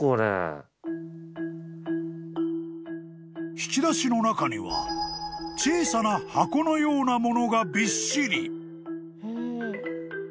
［引き出しの中には小さな箱のようなものがびっしり］